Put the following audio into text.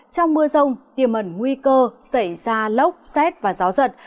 trong mưa rông tiềm ẩn nguy cơ xảy ra lốc xét và gió giật